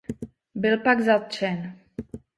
Byl pak zatčen.